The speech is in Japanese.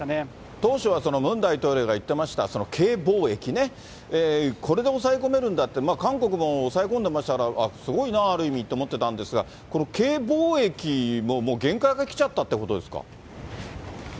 当初はムン大統領が言ってました、そのＫ防疫ね、これで抑え込めるんだという、韓国も抑え込んでましたから、あっ、すごいな、ある意味って思ってたんですが、このＫ防疫も、もう限界がきちゃったってことですか？